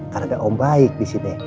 kan ada om baik disini